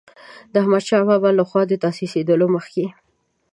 د احمدشاه بابا له خوا د تاسیسېدلو مخکې.